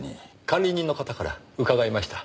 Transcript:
管理人の方から伺いました。